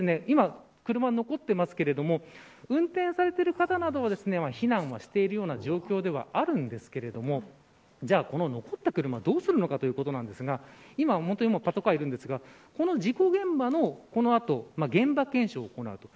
今、車が残っていますけれども運転されている方などは避難している状況ではあるんですけれどもこの残った車をどうするのかということですが今はパトカーがいるんですがこの事故現場のこの後、現場検証を行う。